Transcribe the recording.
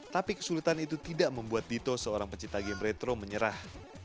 tapi kesulitan itu tidak membuat dito seorang pencipta game retro menyerah